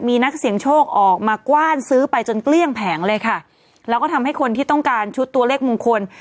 มีนักเสี่ยงโชคออกมากว้านซื้อไปจนเกลี้ยงแผงเลยค่ะแล้วก็ทำให้คนที่ต้องการชุดตัวเลขมงคล